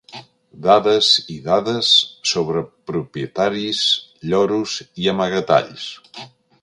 Dades i dades sobre propietaris, lloros i amagatalls.